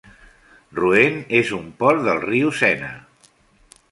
Rouen és un port del riu Sena.